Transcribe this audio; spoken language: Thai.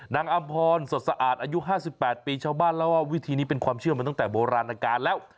อำพรสดสะอาดอายุ๕๘ปีชาวบ้านเล่าว่าวิธีนี้เป็นความเชื่อมาตั้งแต่โบราณการแล้ว